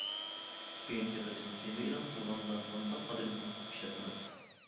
كېيىنكى قېتىم تېما ئېلان قىلغاندا مانداق قالايمىقان كود ئىشلەتمەڭ.